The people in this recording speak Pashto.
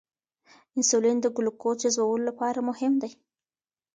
انسولین د ګلوکوز جذبولو لپاره مهم دی.